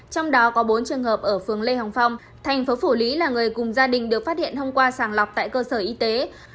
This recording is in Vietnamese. trong đó có bốn trường hợp ở phường lê hồng phong thành phố phủ lý là người cùng gia đình được phát hiện hôm qua sàng lọc tại cơ sở y tế